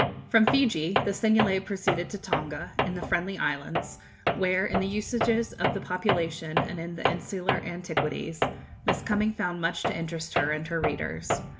From Fiji the Seignelay proceeded to Tonga, in the Friendly Islands, where, in the usages of the population and in the insular antiquities, Miss Cumming found much to interest her and her readers.